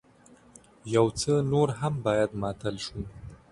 يو څه نور هم بايد ماتل شو.